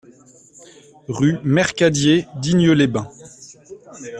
Rue Mercadier, Digne-les-Bains